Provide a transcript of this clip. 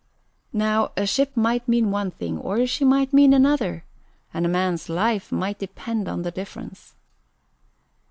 Now a ship might mean one thing or she might mean another; and a man's life might depend on the difference.